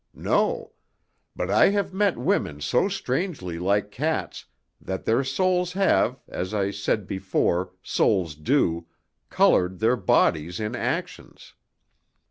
No; but I have met women so strangely like cats that their souls have, as I said before souls do, coloured their bodies in actions.